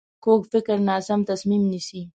کوږ فکر ناسم تصمیم نیسي